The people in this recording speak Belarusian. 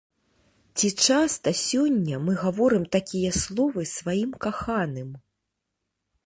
Ці часта сёння мы гаворым такія словы сваім каханым?